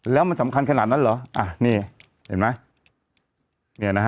แล้วมันสำคัญขนาดนั้นเหรอนี่เห็นไหม